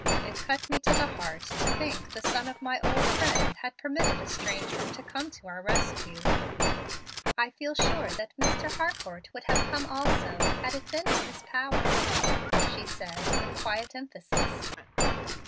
It cut me to the heart to think the son of my old friend had permitted a stranger to come to our rescue." "I feel sure that Mr. Harcourt would have come also, had it been in his power," she said, with quiet emphasis.